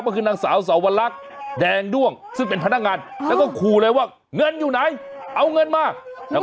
ก็คือนางสาวสวรรคแดงด้วงซึ่งเป็นพนักงานแล้วก็ขู่เลยว่าเงินอยู่ไหนเอาเงินมาแล้ว